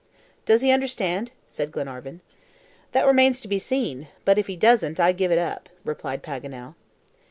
"Does he understand?" said Glenarvan. "That remains to be seen; but if he doesn't, I give it up," replied Paganel.